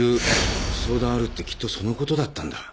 相談あるってきっとそのことだったんだ。